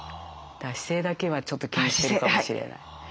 姿勢だけはちょっと気にしてるかもしれない。